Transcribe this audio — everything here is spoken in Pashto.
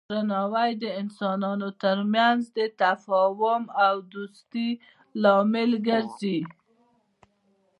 درناوی د انسانانو ترمنځ د تفاهم او دوستی لامل ګرځي.